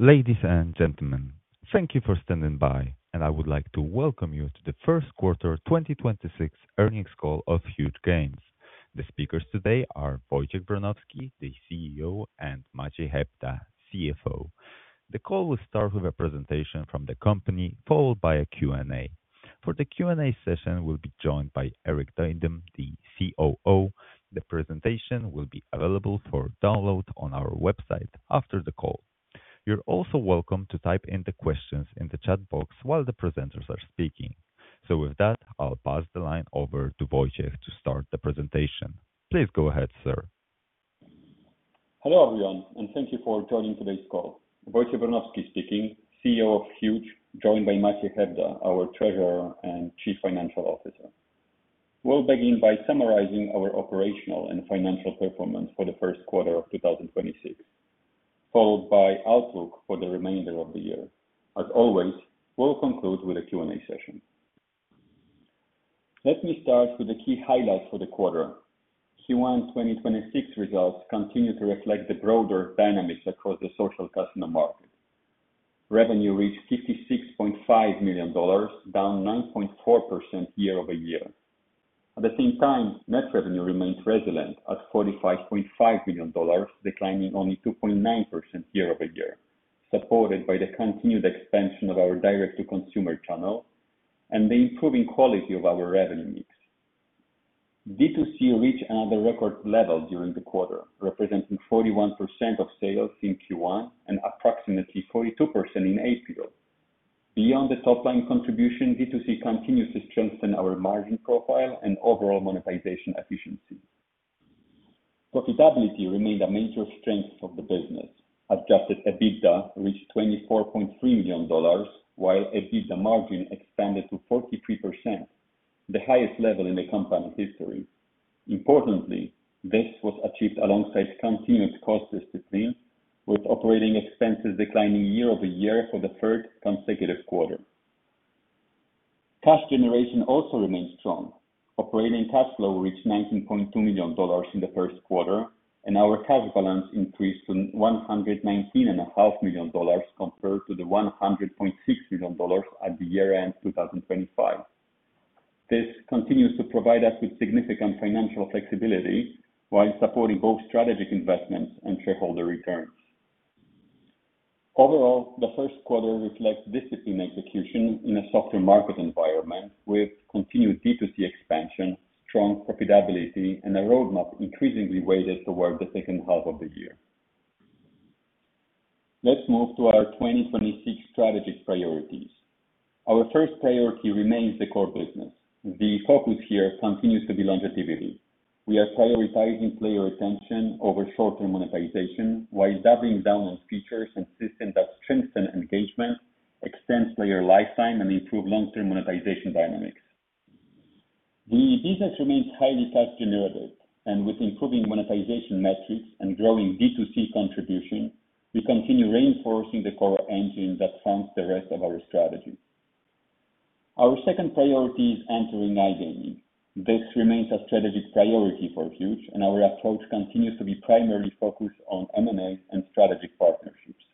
Ladies and gentlemen, thank you for standing by, and I would like to welcome you to the first quarter 2026 earnings call of Huuuge Games. The speakers today are Wojciech Wronowski, the CEO, and Maciej Hebda, CFO. The call will start with a presentation from the company, followed by a Q&A. For the Q&A session, we'll be joined by Erik Duindam, the COO. The presentation will be available for download on our website after the call. You're also welcome to type in the questions in the chat box while the presenters are speaking. With that, I'll pass the line over to Wojciech to start the presentation. Please go ahead, sir. Hello, everyone, and thank you for joining today's call. Wojciech Wronowski speaking, CEO of Huuuge, joined by Maciej Hebda, our Treasurer and Chief Financial Officer. We'll begin by summarizing our operational and financial performance for the first quarter of 2026, followed by outlook for the remainder of the year. As always, we'll conclude with a Q&A session. Let me start with the key highlights for the quarter. Q1 2026 results continue to reflect the broader dynamics across the social casino market. Revenue reached $56.5 million, down 9.4% year over year. At the same time, net revenue remains resilient at $45.5 million, declining only 2.9% year over year, supported by the continued expansion of our direct-to-consumer channel and the improving quality of our revenue mix. D2C reached another record level during the quarter, representing 41% of sales in Q1 and approximately 42% in April. Beyond the top-line contribution, D2C continues to strengthen our margin profile and overall monetization efficiency. Profitability remained a major strength of the business. Adjusted EBITDA reached $24.3 million, while EBITDA margin expanded to 43%, the highest level in the company's history. Importantly, this was achieved alongside continued cost discipline, with operating expenses declining year-over-year for the third consecutive quarter. Cash generation also remains strong. Operating cash flow reached $19.2 million in the first quarter, and our cash balance increased to $119.5 million compared to the $100.6 million at the year-end 2025. This continues to provide us with significant financial flexibility while supporting both strategic investments and shareholder returns. Overall, the first quarter reflects disciplined execution in a softer market environment, with continued D2C expansion, strong profitability, and a roadmap increasingly weighted toward the second half of the year. Let's move to our 2026 strategic priorities. Our first priority remains the core business. The focus here continues to be longevity. We are prioritizing player retention over short-term monetization, while doubling down on features and systems that strengthen engagement, extend player lifetime, and improve long-term monetization dynamics. The business remains highly cash generative, and with improving monetization metrics and growing D2C contribution, we continue reinforcing the core engine that forms the rest of our strategy. Our second priority is entering iGaming. This remains a strategic priority for Huuuge, and our approach continues to be primarily focused on M&A and strategic partnerships.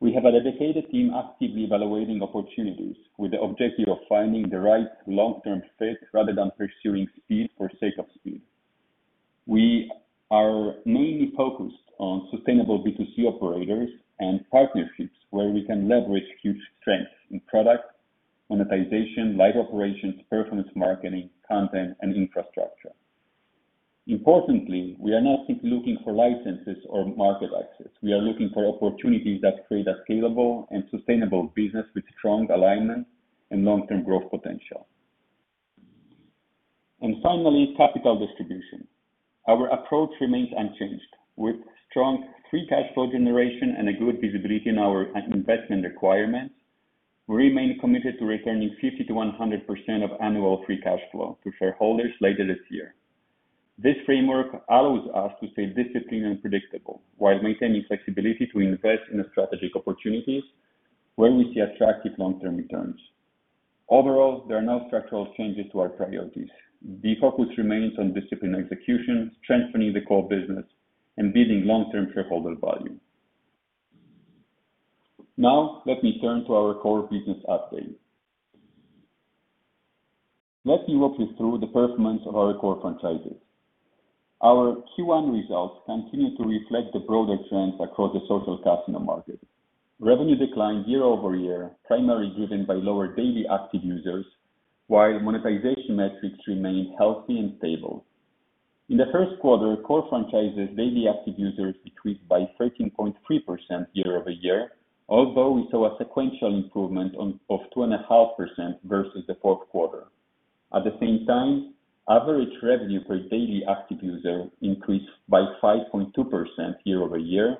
We have a dedicated team actively evaluating opportunities with the objective of finding the right long-term fit rather than pursuing speed for sake of speed. We are mainly focused on sustainable B2C operators and partnerships where we can leverage Huuuge strength in product, monetization, live operations, performance marketing, content, and infrastructure. Importantly, we are not simply looking for licenses or market access. We are looking for opportunities that create a scalable and sustainable business with strong alignment and long-term growth potential. Finally, capital distribution. Our approach remains unchanged. With strong free cash flow generation and a good visibility in our investment requirements, we remain committed to returning 50%-100% of annual free cash flow to shareholders later this year. This framework allows us to stay disciplined and predictable while maintaining flexibility to invest in strategic opportunities where we see attractive long-term returns. Overall, there are no structural changes to our priorities. The focus remains on disciplined execution, strengthening the core business, and building long-term shareholder value. Let me turn to our core business update. Let me walk you through the performance of our core franchises. Our Q1 results continue to reflect the broader trends across the social casino market. Revenue declined year-over-year, primarily driven by lower daily active users, while monetization metrics remained healthy and stable. In the first quarter, core franchises' daily active users decreased by 13.3% year-over-year, although we saw a sequential improvement of 2.5% versus the fourth quarter. At the same time, average revenue per daily active user increased by 5.2% year-over-year,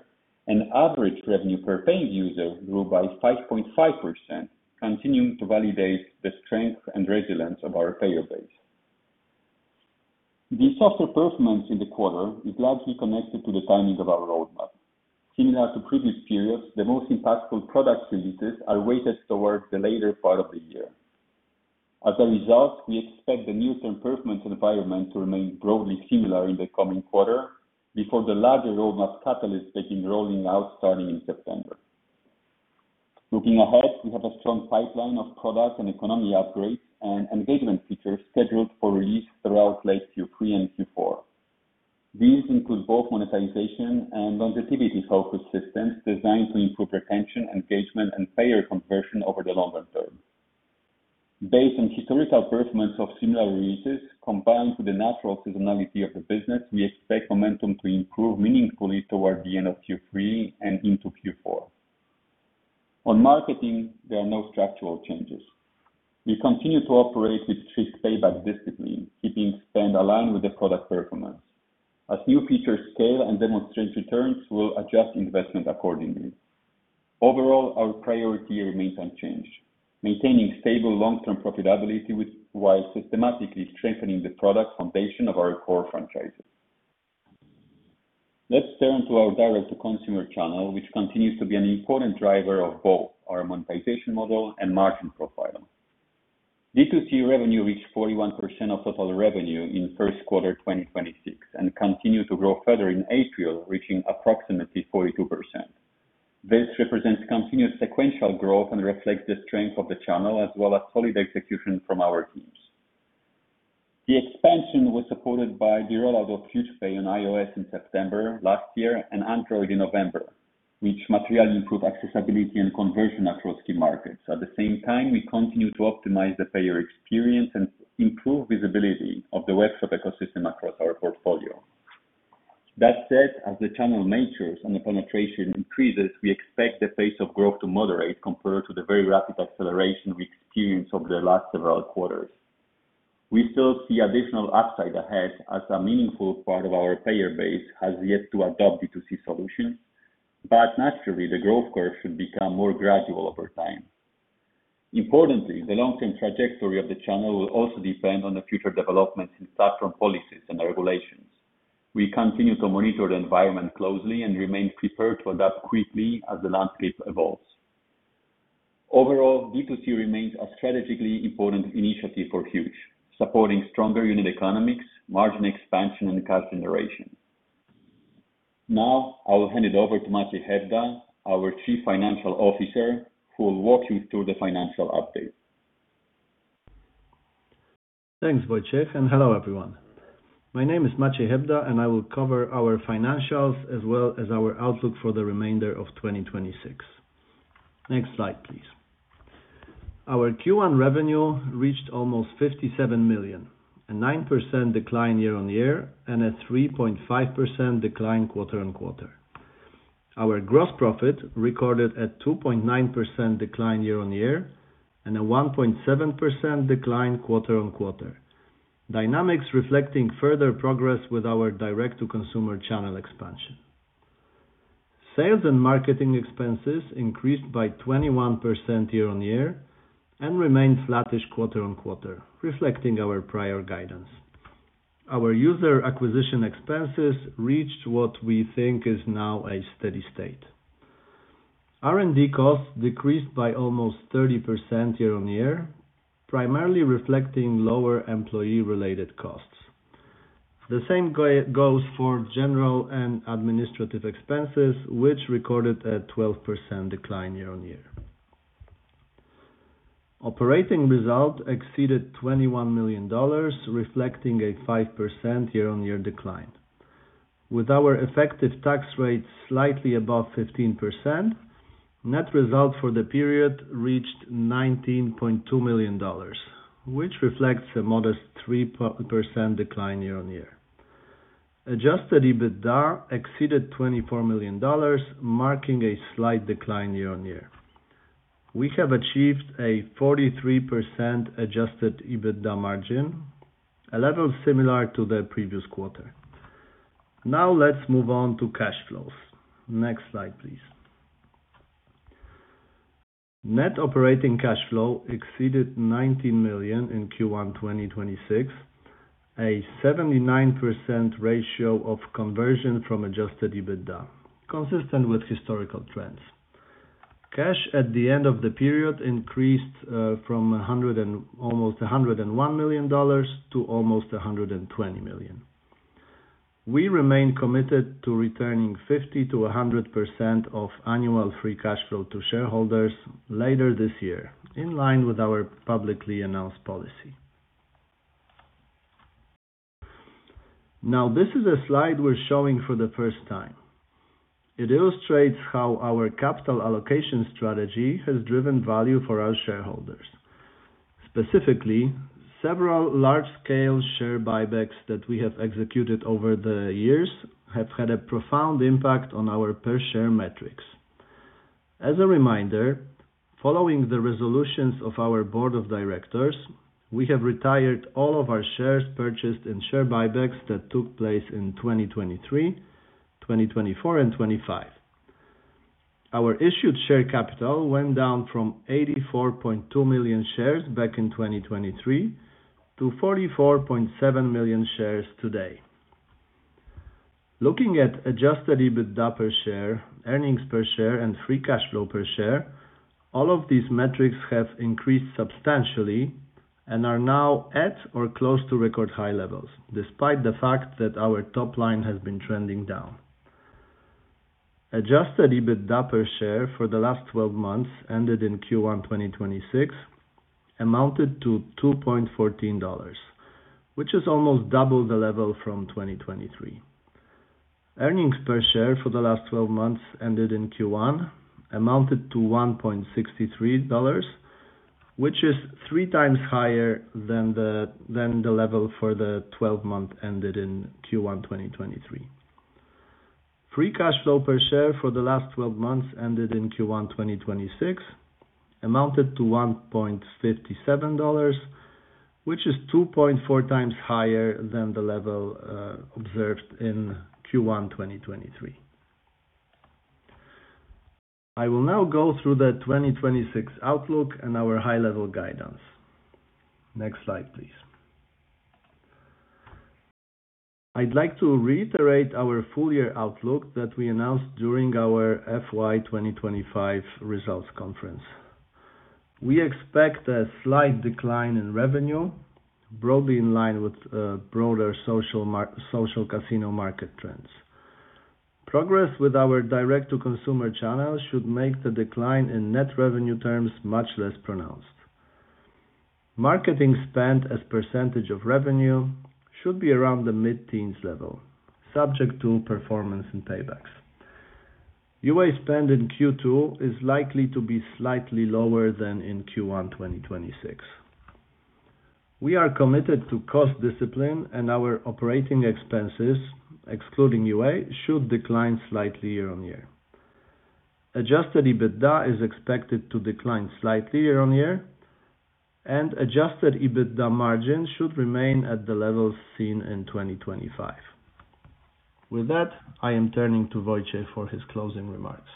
and average revenue per paying user grew by 5.5%, continuing to validate the strength and resilience of our payer base. The softer performance in the quarter is largely connected to the timing of our roadmap. Similar to previous periods, the most impactful product releases are weighted towards the later part of the year. As a result, we expect the news and performance environment to remain broadly similar in the coming quarter before the larger road map catalysts begin rolling out starting in September. Looking ahead, we have a strong pipeline of products and economy upgrades and engagement features scheduled for release throughout late Q3 and Q4. These include both monetization and longevity-focused systems designed to improve retention, engagement, and player conversion over the longer term. Based on historical performance of similar releases, combined with the natural seasonality of the business, we expect momentum to improve meaningfully toward the end of Q3 and into Q4. On marketing, there are no structural changes. We continue to operate with strict payback discipline, keeping spend aligned with the product performance. As new features scale and demonstrate returns, we will adjust investment accordingly. Overall, our priority remains unchanged, maintaining stable long-term profitability while systematically strengthening the product foundation of our core franchises. Let's turn to our direct-to-consumer channel, which continues to be an important driver of both our monetization model and margin profile. D2C revenue reached 41% of total revenue in first quarter 2026 and continued to grow further in April, reaching approximately 42%. This represents continued sequential growth and reflects the strength of the channel as well as solid execution from our teams. The expansion was supported by the rollout of Huuuge Pay on iOS in September last year and Android in November, which materially improved accessibility and conversion across key markets. At the same time, we continue to optimize the payer experience and improve visibility of the webshop ecosystem across our portfolio. That said, as the channel matures and the penetration increases, we expect the pace of growth to moderate compared to the very rapid acceleration we experienced over the last several quarters. We still see additional upside ahead as a meaningful part of our payer base has yet to adopt D2C solutions, naturally, the growth curve should become more gradual over time. Importantly, the long-term trajectory of the channel will also depend on the future developments in platform policies and the regulations. We continue to monitor the environment closely and remain prepared to adapt quickly as the landscape evolves. Overall, D2C remains a strategically important initiative for Huuuge, supporting stronger unit economics, margin expansion, and cash generation. I will hand it over to Maciej Hebda, our Chief Financial Officer, who will walk you through the financial update. Thanks, Wojciech, and hello, everyone. My name is Maciej Hebda. I will cover our financials as well as our outlook for the remainder of 2026. Next slide, please. Our Q1 revenue reached almost $57 million, a 9% decline year-on-year and a 3.5% decline quarter-on-quarter. Our gross profit recorded a 2.9% decline year-on-year and a 1.7% decline quarter-on-quarter. Dynamics reflecting further progress with our direct-to-consumer channel expansion. Sales and marketing expenses increased by 21% year-on-year and remained flattish quarter-on-quarter, reflecting our prior guidance. Our user acquisition expenses reached what we think is now a steady state. R&D costs decreased by almost 30% year-on-year, primarily reflecting lower employee-related costs. The same goes for general and administrative expenses, which recorded a 12% decline year-on-year. Operating result exceeded $21 million, reflecting a 5% year-on-year decline. With our effective tax rate slightly above 15%, net result for the period reached $19.2 million, which reflects a modest 3% decline year on year. Adjusted EBITDA exceeded $24 million, marking a slight decline year on year. We have achieved a 43% adjusted EBITDA margin, a level similar to the previous quarter. Now let's move on to cash flows. Next slide, please. Net operating cash flow exceeded $19 million in Q1 2026, a 79% ratio of conversion from adjusted EBITDA, consistent with historical trends. Cash at the end of the period increased from almost $101 million to almost $120 million. We remain committed to returning 50%-100% of annual free cash flow to shareholders later this year, in line with our publicly announced policy. Now, this is a slide we're showing for the first time. It illustrates how our capital allocation strategy has driven value for our shareholders. Specifically, several large-scale share buybacks that we have executed over the years have had a profound impact on our per-share metrics. As a reminder, following the resolutions of our board of directors, we have retired all of our shares purchased in share buybacks that took place in 2023, 2024, and 2025. Our issued share capital went down from 84.2 million shares back in 2023 to 44.7 million shares today. Looking at adjusted EBITDA per share, earnings per share, and free cash flow per share, all of these metrics have increased substantially and are now at or close to record high levels, despite the fact that our top line has been trending down. Adjusted EBITDA per share for the last 12 months ended in Q1 2026 amounted to $2.14, which is almost double the level from 2023. Earnings per share for the last 12 month ended in Q1 amounted to $1.63, which is 3x higher than the level for the 12 month ended in Q1 2023. Free cash flow per share for the last 12 months ended in Q1 2026 amounted to $1.57, which is 2.4x higher than the level observed in Q1 2023. I will now go through the 2026 outlook and our high-level guidance. Next slide, please. I'd like to reiterate our full-year outlook that we announced during our FY 2025 results conference. We expect a slight decline in revenue, broadly in line with broader social casino market trends. Progress with our direct-to-consumer channel should make the decline in net revenue terms much less pronounced. Marketing spend as percentage of revenue should be around the mid-teens level, subject to performance and paybacks. UA spend in Q2 is likely to be slightly lower than in Q1 2026. We are committed to cost discipline and our operating expenses, excluding UA, should decline slightly year-on-year. Adjusted EBITDA is expected to decline slightly year-on-year, and adjusted EBITDA margin should remain at the levels seen in 2025. With that, I am turning to Wojciech for his closing remarks.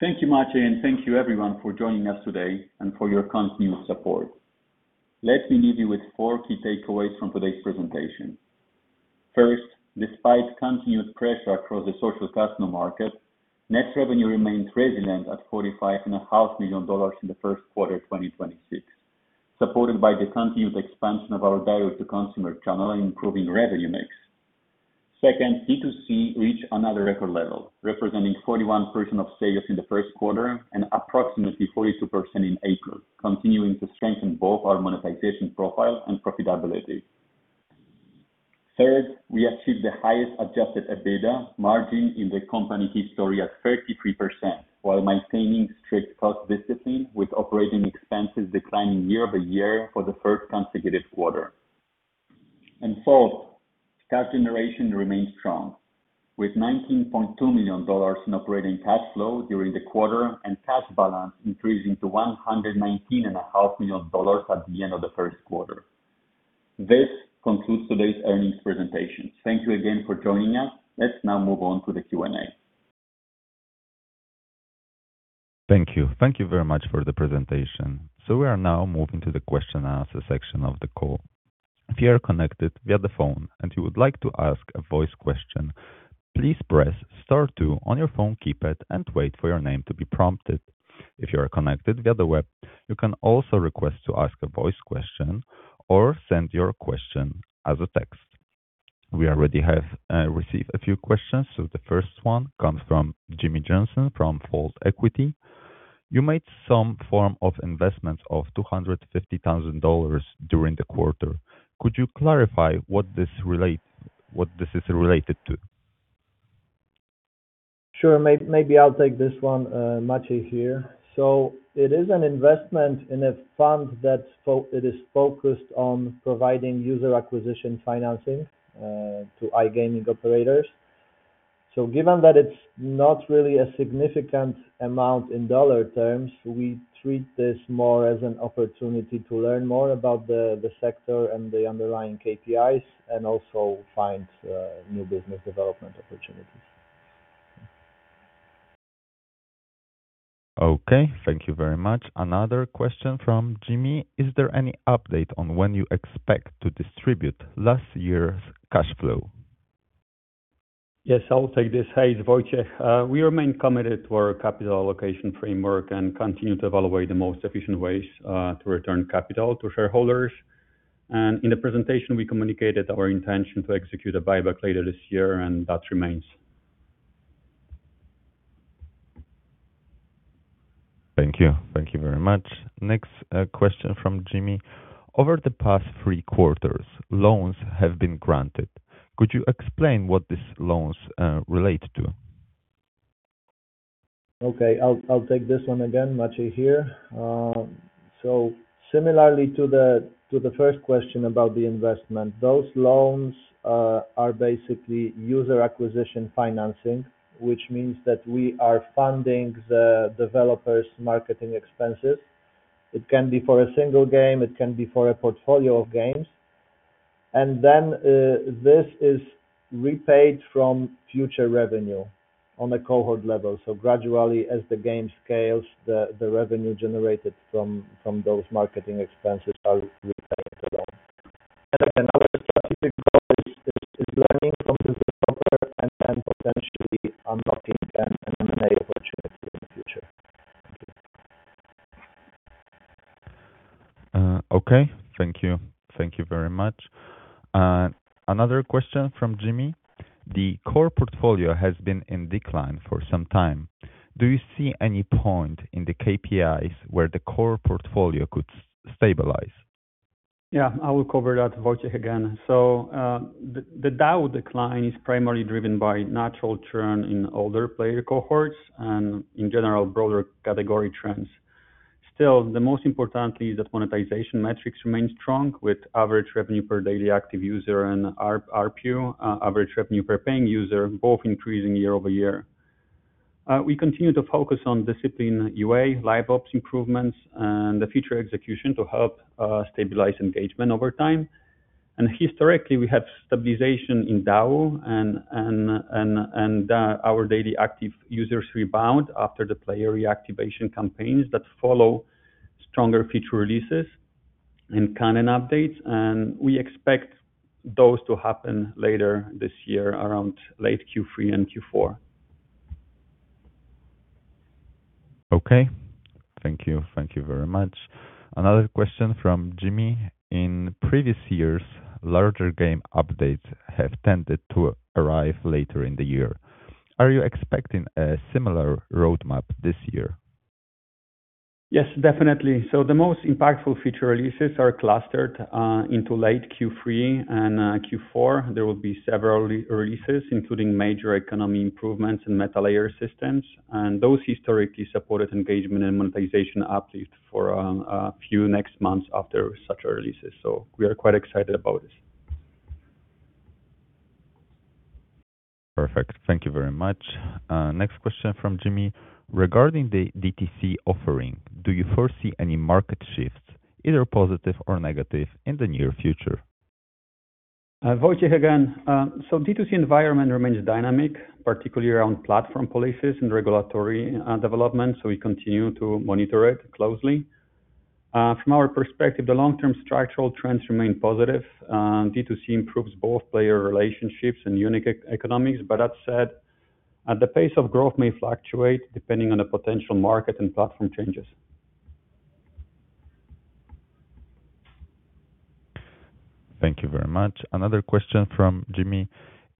Thank you, Maciej, and thank you everyone for joining us today and for your continued support. Let me leave you with four key takeaways from today's presentation. First, despite continued pressure across the social casino market, net revenue remains resilient at $45.5 million in the first quarter of 2026, supported by the continued expansion of our direct-to-consumer channel, improving revenue mix. Second, D2C reached another record level, representing 41% of sales in the first quarter and approximately 42% in April, continuing to strengthen both our monetization profile and profitability. Third, we achieved the highest adjusted EBITDA margin in the company history at 33%, while maintaining strict cost discipline, with operating expenses declining year-over-year for the first consecutive quarter. Fourth, cash generation remains strong, with $19.2 million in operating cash flow during the quarter and cash balance increasing to $119.5 million at the end of the first quarter. This concludes today's earnings presentation. Thank you again for joining us. Let's now move on to the Q&A. Thank you. Thank you very much for the presentation. We are now moving to the question and answer section of the call. If you are connected via the phone and you would like to ask a voice question, please press star two on your phone keypad and wait for your name to be prompted. If you are connected via the web, you can also request to ask a voice question or send your question as a text. We already have received a few questions. The first one comes from Jimmy Johnson from [Haute] Equity. You made some form of investment of $250,000 during the quarter. Could you clarify what this is related to? Sure. Maybe I'll take this one. Maciej here. It is an investment in a fund that is focused on providing user acquisition financing to iGaming operators. Given that it's not really a significant amount in dollar terms, we treat this more as an opportunity to learn more about the sector and the underlying KPIs, and also find new business development opportunities. Okay. Thank you very much. Another question from Jimmy. Is there any update on when you expect to distribute last year's cash flow? Yes, I will take this. Hi, it's Wojciech. We remain committed to our capital allocation framework and continue to evaluate the most efficient ways to return capital to shareholders. In the presentation, we communicated our intention to execute a buyback later this year, and that remains. Thank you. Thank you very much. Next question from Jimmy. Over the past three quarters, loans have been granted. Could you explain what these loans relate to? Okay, I'll take this one again. Maciej here. Similarly to the first question about the investment, those loans are basically user acquisition financing, which means that we are funding the developer's marketing expenses. It can be for a single game, it can be for a portfolio of games. This is repaid from future revenue on a cohort level. Gradually, as the game scales, the revenue generated from those marketing expenses are repaying the loan. Other strategic goal is learning from the developer and then potentially unlocking an M&A opportunity in the future. Thank you. Okay. Thank you. Thank you very much. Another question from Jimmy. The core portfolio has been in decline for some time. Do you see any point in the KPIs where the core portfolio could stabilize? Yeah, I will cover that. Wojciech again. The DAU decline is primarily driven by natural churn in older player cohorts and in general, broader category trends. Still, the most important is that monetization metrics remain strong, with average revenue per daily active user and ARPPU, average revenue per paying user, both increasing year over year. We continue to focus on disciplined UA, live ops improvements, and the future execution to help stabilize engagement over time. Historically, we have stabilization in DAU and our daily active users rebound after the player reactivation campaigns that follow stronger feature releases and canon updates, and we expect those to happen later this year, around late Q3 and Q4. Okay. Thank you. Thank you very much. Another question from Jimmy. In previous years, larger game updates have tended to arrive later in the year. Are you expecting a similar roadmap this year? Yes, definitely. The most impactful feature releases are clustered into late Q3 and Q4. There will be several releases, including major economy improvements and meta layer systems. Those historically supported engagement and monetization uplift for a few next months after such releases. We are quite excited about this. Perfect. Thank you very much. Next question from Jimmy. Regarding the DTC offering, do you foresee any market shifts, either positive or negative, in the near future? Wojciech again. DTC environment remains dynamic, particularly around platform policies and regulatory development, so we continue to monitor it closely. From our perspective, the long-term structural trends remain positive. DTC improves both player relationships and unit economics. That said, the pace of growth may fluctuate depending on the potential market and platform changes. Thank you very much. Another question from Jimmy.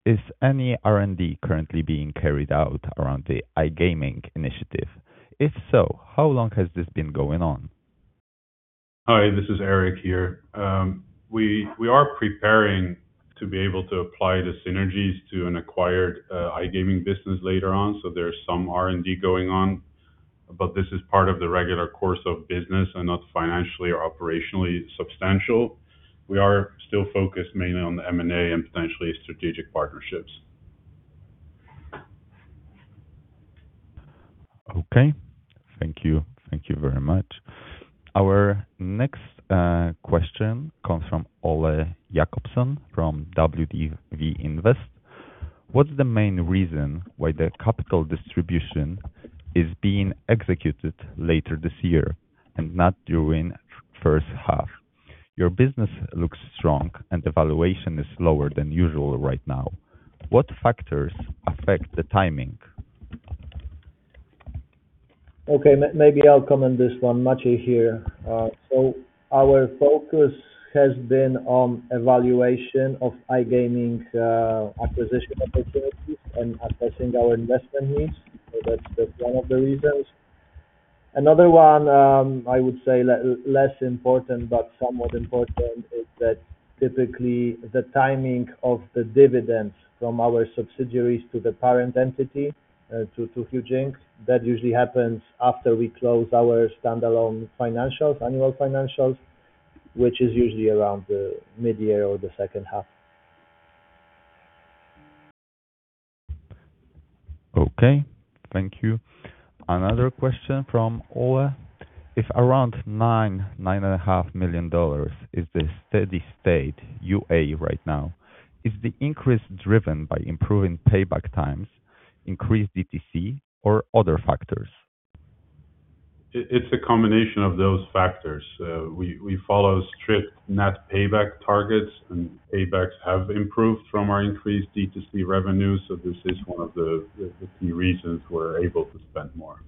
Is any R&D currently being carried out around the iGaming initiative? If so, how long has this been going on? Hi, this is Erik here. We are preparing to be able to apply the synergies to an acquired iGaming business later on, so there is some R&D going on. This is part of the regular course of business and not financially or operationally substantial. We are still focused mainly on the M&A and potentially strategic partnerships. Okay. Thank you. Thank you very much. Our next question comes from Ole Jacobson from WGV Invest. What is the main reason why the capital distribution is being executed later this year and not during first half? Your business looks strong and the valuation is lower than usual right now. What factors affect the timing? Maybe I'll comment this one. Maciej here. Our focus has been on evaluation of iGaming acquisition opportunities and assessing our investment needs. That's one of the reasons. Another one, I would say less important but somewhat important, is that typically the timing of the dividends from our subsidiaries to the parent entity, to Huuuge, Inc., that usually happens after we close our standalone annual financials, which is usually around the mid-year or the second half. Okay. Thank you. Another question from Ole. If around $9 million-$9.5 million is the steady state UA right now, is the increase driven by improving payback times, increased DTC, or other factors? It's a combination of those factors. We follow strict net payback targets, and paybacks have improved from our increased DTC revenue, so this is one of the key reasons we're able to spend more.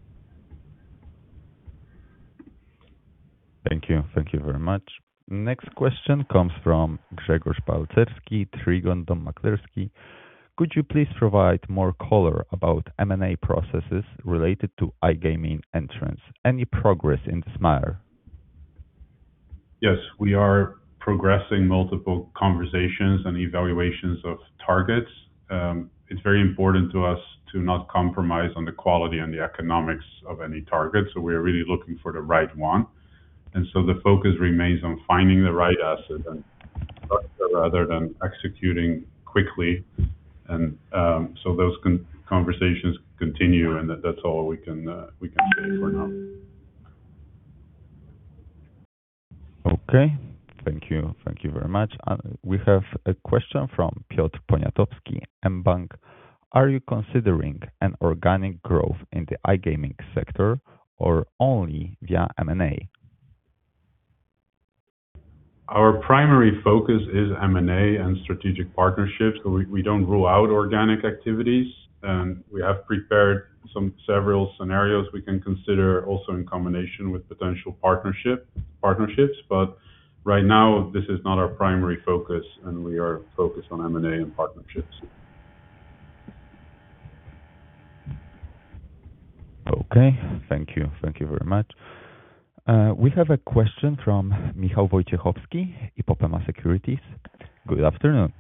Thank you. Thank you very much. Next question comes from Grzegorz Balcerski, Trigon Dom Maklerski. Could you please provide more color about M&A processes related to iGaming entrance? Any progress in this matter? Yes. We are progressing multiple conversations and evaluations of targets. It's very important to us to not compromise on the quality and the economics of any target, so we are really looking for the right one. The focus remains on finding the right asset and structure rather than executing quickly. Those conversations continue, and that's all we can say for now. Okay. Thank you. Thank you very much. We have a question from Piotr Poniatowski, mBank. Are you considering an organic growth in the iGaming sector or only via M&A? Our primary focus is M&A and strategic partnerships. We don't rule out organic activities, and we have prepared several scenarios we can consider also in combination with potential partnerships. Right now, this is not our primary focus, and we are focused on M&A and partnerships. Okay. Thank you. Thank you very much. We have a question from Michal Wojciechowski, IPOPEMA Securities. Good afternoon.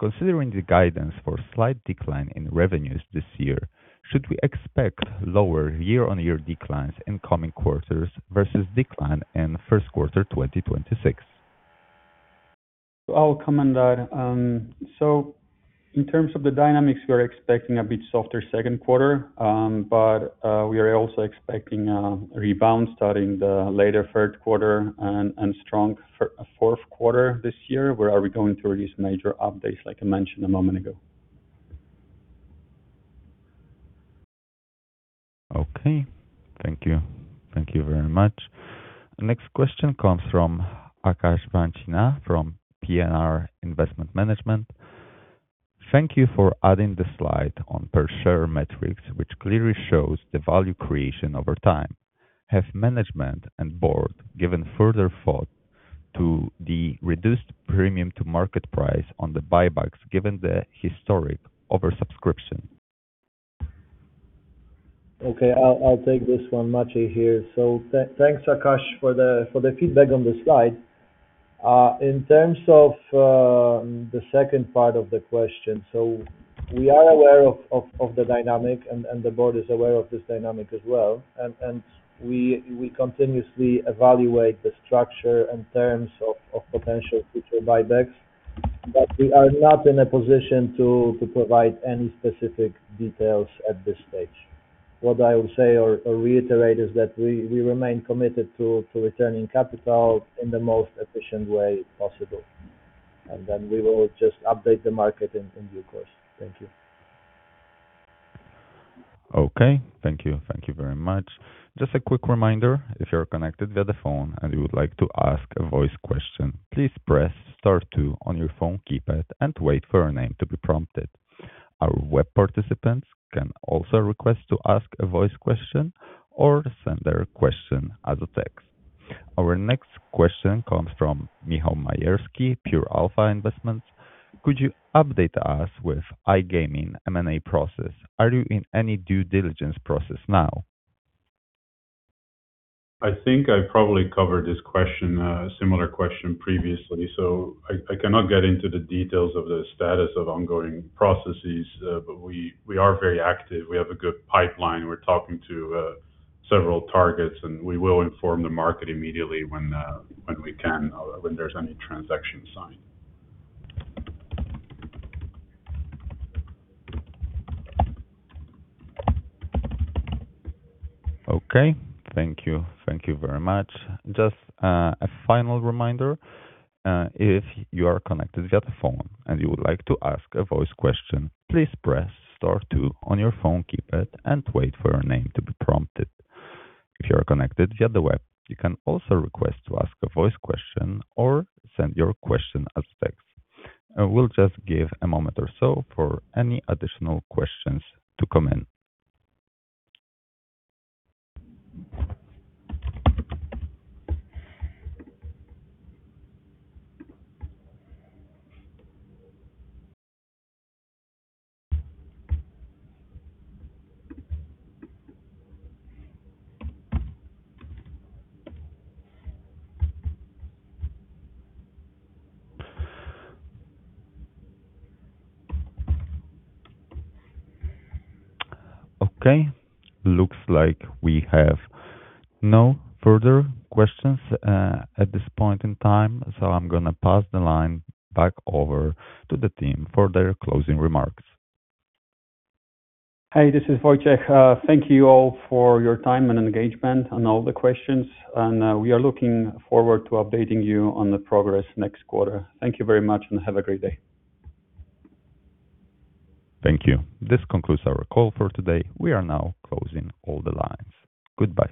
Considering the guidance for a slight decline in revenues this year, should we expect lower year-on-year declines in coming quarters versus decline in first quarter 2026? I'll comment that. In terms of the dynamics, we are expecting a bit softer second quarter. We are also expecting a rebound starting the later third quarter and strong fourth quarter this year, where are we going to release major updates, like I mentioned a moment ago. Okay. Thank you. Thank you very much. Next question comes from Akash Panchina from PNR Investment Management. Thank you for adding the slide on per share metrics, which clearly shows the value creation over time. Have management and board given further thought to the reduced premium to market price on the buybacks, given the historic oversubscription? Okay, I'll take this one. Maciej here. Thanks, Akash, for the feedback on the slide. In terms of the second part of the question, we are aware of the dynamic, and the Board is aware of this dynamic as well. We continuously evaluate the structure and terms of potential future buybacks. We are not in a position to provide any specific details at this stage. What I will say or reiterate is that we remain committed to returning capital in the most efficient way possible. We will just update the market in due course. Thank you. Okay. Thank you. Thank you very much. Just a quick reminder, if you're connected via the phone and you would like to ask a voice question, please press star two on your phone keypad and wait for your name to be prompted. Our web participants can also request to ask a voice question or send their question as a text. Our next question comes from Michal Majewski, Pure Alpha Investments. Could you update us with iGaming M&A process? Are you in any due diligence process now? I think I probably covered this question, a similar question previously. I cannot get into the details of the status of ongoing processes. We are very active. We have a good pipeline. We're talking to several targets. We will inform the market immediately when we can, when there's any transaction signed. Okay. Thank you. Thank you very much. Just a final reminder, if you are connected via the phone and you would like to ask a voice question, please press star two on your phone keypad and wait for your name to be prompted. If you are connected via the web, you can also request to ask a voice question or send your question as text. We will just give a moment or so for any additional questions to come in. Okay. Looks like we have no further questions at this point in time, so I am going to pass the line back over to the team for their closing remarks. Hey, this is Wojciech. Thank you all for your time and engagement and all the questions. We are looking forward to updating you on the progress next quarter. Thank you very much and have a great day. Thank you. This concludes our call for today. We are now closing all the lines. Goodbye.